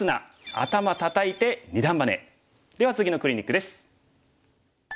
では次のクリニックです。